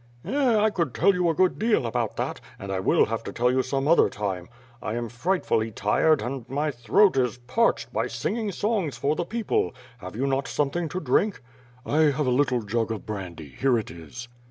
'TEh; I could tell you a good deal about that, and I will have to tell you some other time. I am frightfully tired and 36o ^^^^^'^^^^^^ SWORD. my throat is parched by singing songs for the people. Have you not something to drink?" "I have a little jug of brandy; here it is."